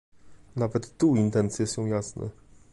Nawet tu intencje są jasne